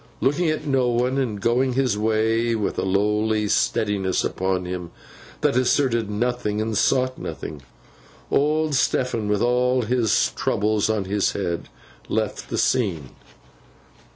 Looking at no one, and going his way with a lowly steadiness upon him that asserted nothing and sought nothing, Old Stephen, with all his troubles on his head, left the scene.